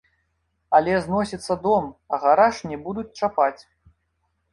Але зносіцца дом, а гараж не будуць чапаць.